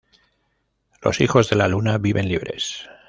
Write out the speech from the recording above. Los hijos de la luna viven libres.